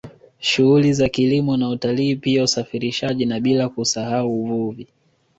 Shughuli za kilimo na utalii pia usafirishaji na bila kusahau uvuvi